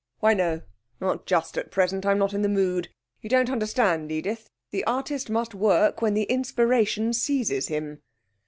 'Why no; not just at present. I'm not in the mood. You don't understand, Edith. The Artist must work when the inspiration seizes him.'